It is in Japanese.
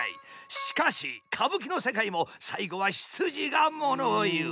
しかし、歌舞伎の世界も最後は出自が物を言う。